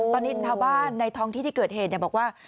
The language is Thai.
ตอนนี้ชาวบ้านในท้องที่ที่เกิดเหตุบอกว่า